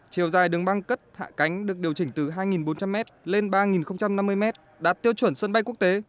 chiều dài đường băng cất hạ cánh được điều chỉnh từ hai bốn trăm linh m lên ba năm mươi m đạt tiêu chuẩn sân bay quốc tế